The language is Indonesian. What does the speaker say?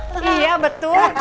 ringing ya betul